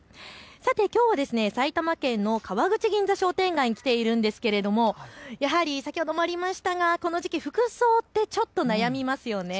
きょうは埼玉県の川口銀座商店街に来ているんですけれど、やはり先ほどもありましたがこの時期、服装ってちょっと悩みますよね。